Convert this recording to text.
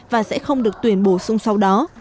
và sẽ không được tuyển bổ sung sau đó